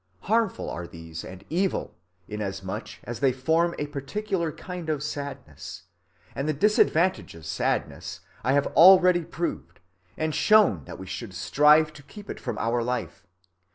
Harmful are these and evil, inasmuch as they form a particular kind of sadness; and the disadvantages of sadness," he continues, "I have already proved, and shown that we should strive to keep it from our life.